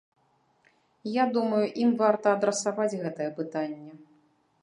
Я думаю, ім варта адрасаваць гэтае пытанне.